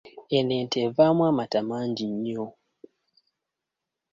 Eno ente evaamu amata mangi nnyo.